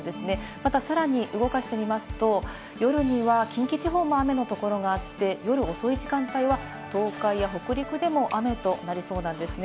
また、さらに動かしてみますと、夜には近畿地方も雨のところがあって、夜遅い時間帯には東海や北陸でも雨となりそうなんですね。